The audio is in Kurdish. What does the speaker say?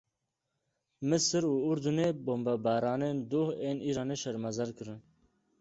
Misir û Urdinê bombebaranên duh ên Îranê şermezar kirin.